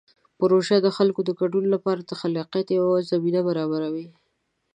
پروژه د خلکو د ګډون لپاره د خلاقیت یوه زمینه برابروي.